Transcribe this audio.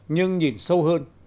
nhưng nhìn sâu hơn